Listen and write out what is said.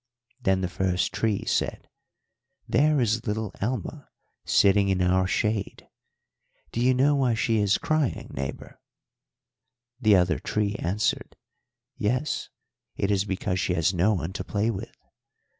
"Then the first tree said, 'There is little Alma sitting in our shade; do you know why she is crying, neighbour?' "The other tree answered, 'Yes, it is because she has no one to play with.